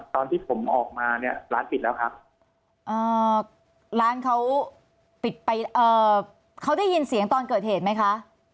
ตอนที่ผมออกมาเนี่ยร้านปิดแล้วครับร้านเขาปิดไปเอ่อเขาได้ยินเสียงตอนเกิดเหตุไหมคะ